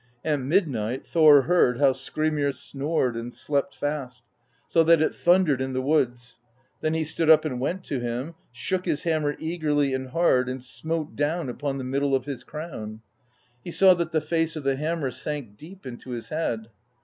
At midnight Thor heard how Skrymir snored and slept fast, so that it thun dered in the woods; then he stood up and went to him, shook his hammer eagerly and hard, and smote down upon the middle of his crown : he saw that the face of the ham mer sank deep into his head.